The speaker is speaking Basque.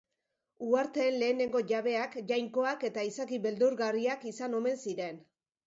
Uharteen lehenengo jabeak jainkoak eta izaki beldurgarriak izan omen ziren.